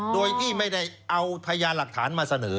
โดยที่ไม่ได้เอาพยานหลักฐานมาเสนอ